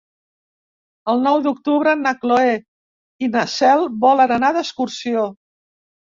El nou d'octubre na Cloè i na Cel volen anar d'excursió.